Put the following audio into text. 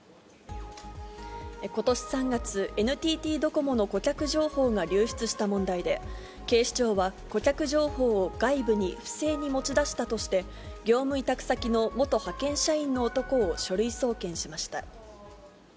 ことし３月、ＮＴＴドコモの顧客情報が流出した問題で、警視庁は顧客情報を外部に不正に持ち出したとして、業務委託先の元派遣社員の男を書類送検しました。